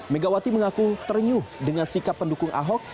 megawati mengaku ternyuh dengan sikap pendukung ahok